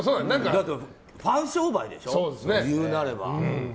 ファン商売でしょ、いうなれば。